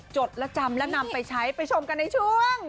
จดและจำและนำไปใช้ไปชมกันในช่วง